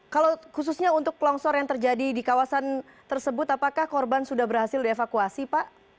kalau khususnya untuk longsor yang terjadi di kawasan tersebut apakah korban sudah berhasil dievakuasi pak